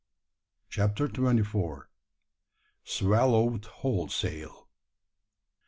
CHAPTER TWENTY FOUR. SWALLOWED WHOLESALE.